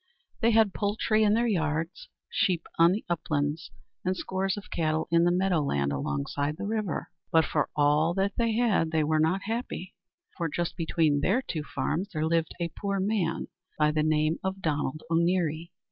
They had poultry in their yards, sheep on the uplands, and scores of cattle in the meadow land alongside the river. But for all that they weren't happy. For just between their two farms there lived a poor man by the name of Donald O'Neary.